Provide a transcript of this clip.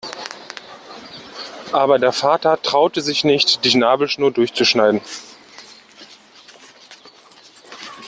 Aber der Vater traute sich nicht, die Nabelschnur durchzuschneiden.